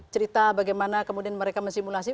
cerita bagaimana kemudian mereka mensimulasi